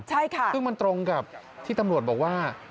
ใช่ค่ะซึ่งมันตรงกับที่ตำรวจบอกว่า